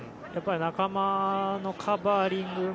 やっぱり仲間のカバーリング。